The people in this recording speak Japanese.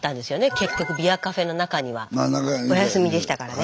結局ビアカフェの中には。お休みでしたからね。